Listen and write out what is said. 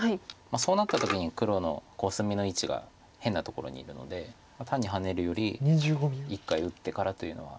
そうなった時に黒のコスミの位置が変なところにいるので単にハネるより１回打ってからというのは。